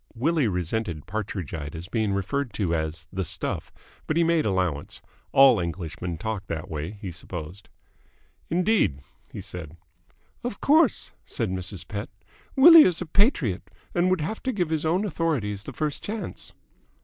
Willie resented Partridgite as being referred to as "the stuff," but he made allowance. All Englishmen talked that way, he supposed. "Indeed?" he said. "Of course," said Mrs. Pett, "Willie is a patriot and would have to give our own authorities the first chance."